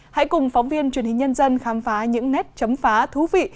hãy cùng phóng viên truyền hình nhân dân khám phá những nét chấm phá thú vị